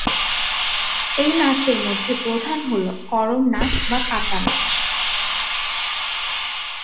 এই নাচের মধ্যে প্রধান হল করম নাচ বা পাতানাচ।